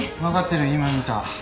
分かってる今見た。